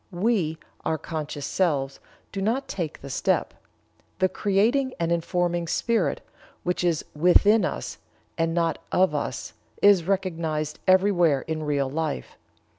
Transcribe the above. We (our conscious selves) do not take the step. The creating and informing spirit, which is within us and not of us, is recognized everywhere in real life.